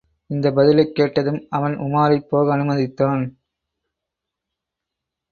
இந்தப் பதிலைக் கேட்டதும், அவன் உமாரைப் போக அனுமதித்தான்.